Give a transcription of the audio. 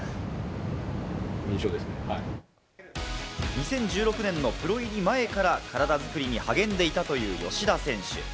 ２０１６年のプロ入り前から体作りに励んでいたという吉田選手。